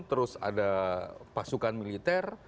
terus ada pasukan militer